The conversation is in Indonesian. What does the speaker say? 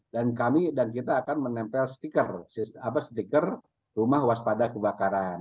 dan kami dan kita akan menempel stiker rumah waspada kebakaran